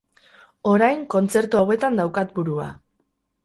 Orain kontzertu hauetan daukat burua.